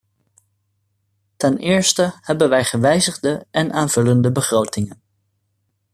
Ten eerste hebben wij gewijzigde en aanvullende begrotingen.